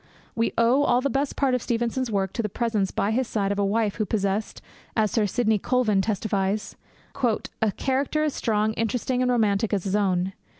We owe all the best part of Stevenson's work to the presence by his side of a wife who possessed, as Sir Sidney Colvin testifies, 'a character as strong, interesting, and romantic as his own.